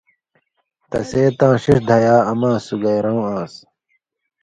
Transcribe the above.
تسے تاں ݜِݜ دھیا اماں سُگائ رؤں آن٘س۔